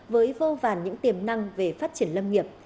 với vô vàn những tiềm năng về phát triển lâm nghiệp